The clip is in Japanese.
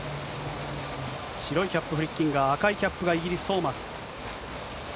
白いキャップのフリッキンガー、赤いキャップがイギリス、トーマス。